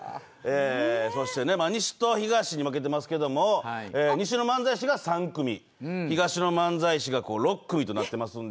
そして西と東に分けていますけど、西の漫才師が３組、東の漫才師が６組となっていますんで。